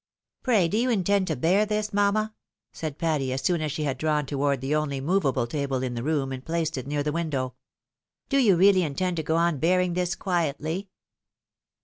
" Pray do you intend to bear this, mamma ?" said Patty, as soon as she had drawn forward the only movable table in the room, and placed it near the window. " Do you really intend to go on bearing this quietly